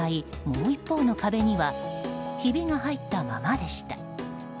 もう一方の壁にはひびが入ったままでした。